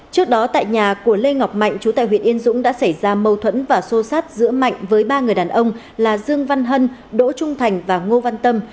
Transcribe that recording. trước đó tại nhà của lê ngọc mạnh chú tại huyện yên dũng đã xảy ra mâu thuẫn và xô sát giữa mạnh với ba người đàn ông là dương văn hân đỗ trung thành và ngô văn tâm